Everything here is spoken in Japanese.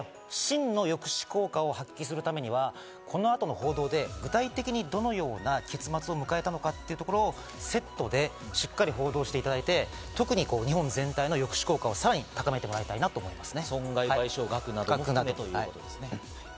真の抑止効果を発揮するためにはこの後の報道で具体的にどのような結末を迎えたのかというところをセットでしっかり報道していただいて、特に日本全体の抑止効果をさらに、高めてもらいたいと思いますね。